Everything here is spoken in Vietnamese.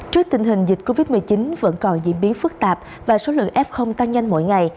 trước tình hình dịch covid một mươi chín vẫn còn diễn biến phức tạp và số lượng f tăng nhanh mỗi ngày